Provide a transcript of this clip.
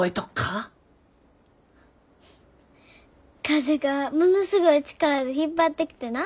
風がものすごい力で引っ張ってきてな。